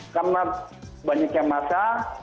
karena banyaknya masa